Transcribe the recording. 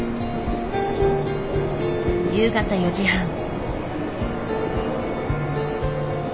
夕方４時半。